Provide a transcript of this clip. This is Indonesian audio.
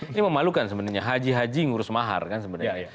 ini memalukan sebenarnya haji haji ngurus mahar kan sebenarnya